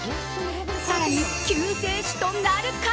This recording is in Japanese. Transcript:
更に、救世主となるか？